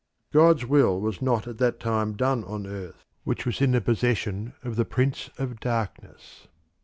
God's will was not at that time done on earth, which was in the possession of the Prince of Darkness.